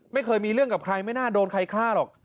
ไม่เคยมีเรื่องกับใครไม่น่าโดนใครฆ่าหรอก